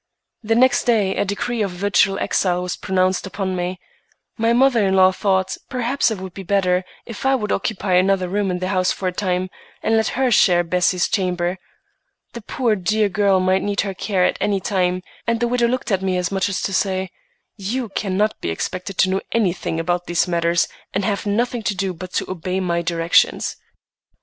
The next day a decree of virtual exile was pronounced upon me. My mother in law thought perhaps it would be better if I would occupy another room in the house for a time, and let her share Bessie's chamber. The poor, dear girl might need her care at any time, and the widow looked at me as much as to say, "You cannot be expected to know anything about these matters, and have nothing to do but obey my directions."